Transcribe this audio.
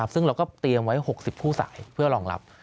ซึ่งเราก็เตรียมไว้๖๐คู่สายเพื่อรองรับ